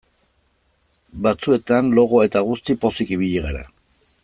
Batzuetan logoa eta guzti pozik ibili gara.